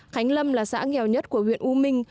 khánh lâm là xã nghèo nhất của huyện u minh